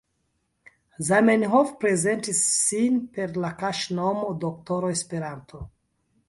Zamenhof, prezentis sin per la kaŝnomo Doktoro Esperanto.